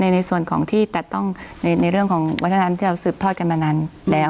ในส่วนของที่ตัดต้องในเรื่องของวัฒนธรรมที่เราสืบทอดกันมานานแล้ว